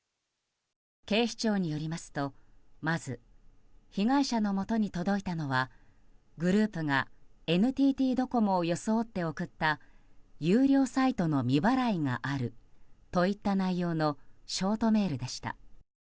警視庁によりますとまず被害者のもとに届いたのはグループがＮＴＴドコモを装って送った有料サイトの未払いがあるといった内容のショートメールでした。